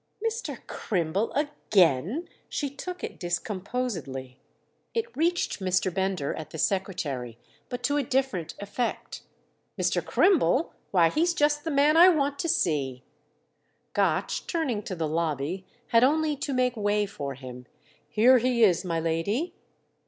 "Mr. Crimble again?"—she took it discomposedly. It reached Mr. Bender at the secretary, but to a different effect. "Mr. Crimble? Why he's just the man I want to see!" Gotch, turning to the lobby, had only to make way for him. "Here he is, my lady."